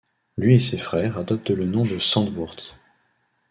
Lui et ses frères adoptent le nom de Santvoort.